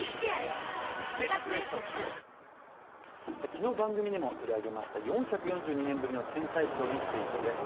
昨日番組でも取り上げました４４２年ぶりの天体ショーについてです。